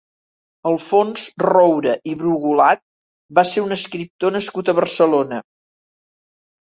Alfons Roure i Brugulat va ser un escriptor nascut a Barcelona.